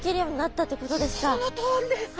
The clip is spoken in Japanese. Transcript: そのとおりです。